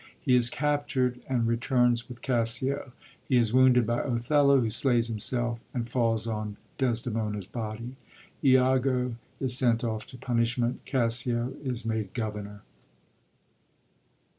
He is captured, and returns with Cassio; he is wounded by Othello, who slays himself, and falls on Desdemona's body. lago is sent oif to punishment; Cassio is made governor.